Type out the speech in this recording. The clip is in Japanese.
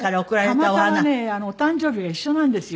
たまたまねお誕生日が一緒なんですよ偶然に。